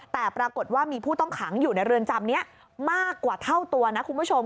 แต่ปรากฏว่ามีผู้ต้องขังอยู่ในเรือนจำนี้มากกว่าเท่าตัวนะคุณผู้ชม